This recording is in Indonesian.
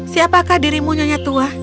siapakah dirimunya nya tua